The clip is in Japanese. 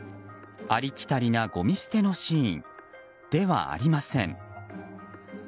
ありきたりな、ごみ捨てのシーンではありません。